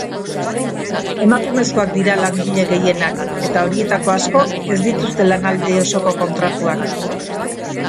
Emakumezkoak dira langile gehienak eta horietako askok ez dituzte lanaldi osoko kontratuak.